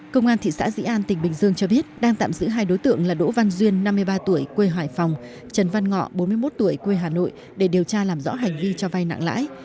công an thị xã dĩ an tỉnh bình dương cho biết đang tạm giữ hai đối tượng là đỗ văn duyên năm mươi ba tuổi quê hải phòng trần văn ngọ bốn mươi một tuổi quê hà nội để điều tra làm rõ hành vi cho vay nặng lãi